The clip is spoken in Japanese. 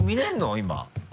今。